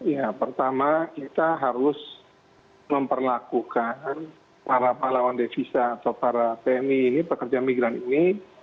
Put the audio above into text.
ya pertama kita harus memperlakukan para pahlawan devisa atau para pmi ini pekerja migran ini